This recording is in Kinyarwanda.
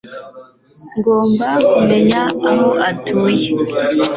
Ngomba kumenya aho atuye